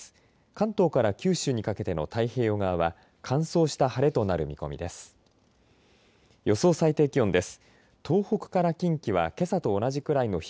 関東から九州にかけての太平洋側は乾燥した晴れとなる見込みです。